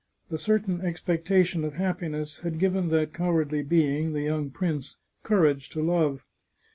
The certain expectation of happiness had given that cow ardly being, the young prince, courage to love.